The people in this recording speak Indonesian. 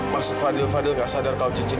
maksud fadil fadil enggak sadar kalau cincin itu jatuh